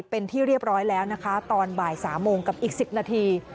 เป็นที่เรียบร้อยแล้วนะคะตอนบ่าย๓โมงกับอีก๑๐นาที